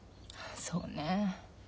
そうね。